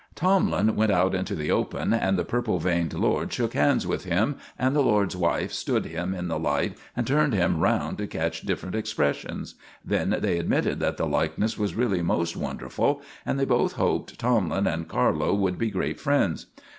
Tomlin went out into the open, and the purple veined lord shook hands with him, and the lord's wife stood him in the light and turned him round to catch different expressions. Then they admitted that the likeness was really most wonderful, and they both hoped Tomlin and Carlo would be great friends.